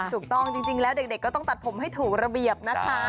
ถูกต้องจริงแล้วเด็กก็ต้องตัดผมให้ถูกระเบียบนะคะ